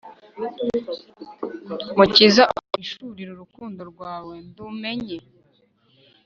mukiza umpishurire urukundo rwawe ndumenye